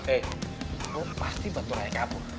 eh lu pasti bantu raya kabur